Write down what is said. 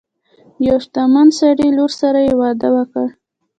د یو شتمن سړي لور سره یې واده وکړ.